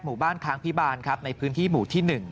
ค้างพิบาลครับในพื้นที่หมู่ที่๑